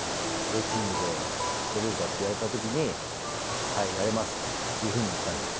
「Ａチームで出れるか？」って言われた時に「はいやれます」っていうふうに言ったんです。